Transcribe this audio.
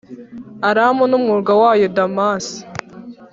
Aramu n’umurwa wayo, Damasi